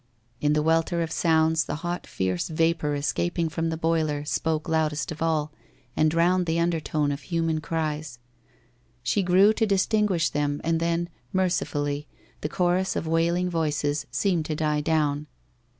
In the welter of sounds, the hot fierce vapour es caping from the boiler, spoke loudest of all, and drowned the undertone of human cries. She grew to distinguish them, and then, mercifully, the chorus of wailing voices seemed to die down.